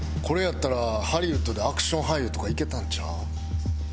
これやったらハリウッドでアクション俳優とかいけたんちゃう？